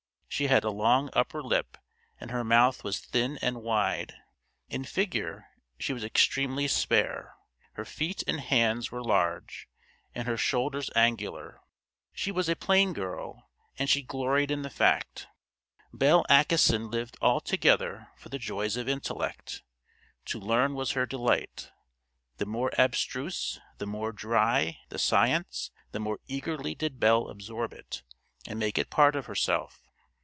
She had a long upper lip, and her mouth was thin and wide. In figure she was extremely spare, her feet and hands were large, and her shoulders angular. She was a plain girl, and she gloried in the fact. Belle Acheson lived altogether for the joys of intellect; to learn was her delight. The more abstruse, the more dry, the science, the more eagerly did Belle absorb it, and make it part of herself.